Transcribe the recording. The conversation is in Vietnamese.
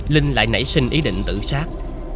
linh lại nảy sinh ý định tự sát